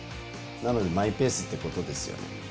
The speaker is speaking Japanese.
なのでマイペースってことですよね。